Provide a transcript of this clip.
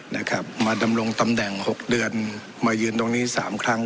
นะครับมาดำรงตำแหน่งหกเดือนมายืนตรงนี้สามครั้ง